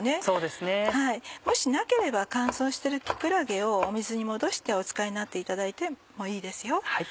そうですね。もしなければ乾燥している木くらげを水に戻してお使いになっていただいてもいいですよ。